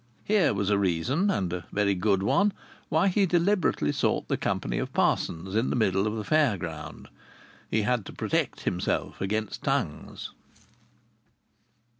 Here was a reason, and a very good one, why he deliberately sought the company of parsons in the middle of the Fair ground. He had to protect himself against tongues.